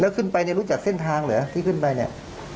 แล้วขึ้นไปเนี่ยรู้จักเส้นทางเหรอที่ขึ้นไปเนี่ย